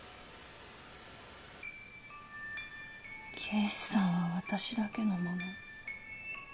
啓士さんは私だけのもの。